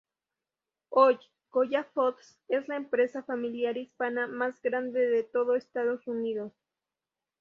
Hoy, Goya Foods es la empresa familiar hispana más grande de todo Estados Unidos.